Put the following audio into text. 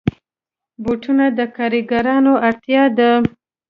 بوټونه د کارګرانو اړتیا ده.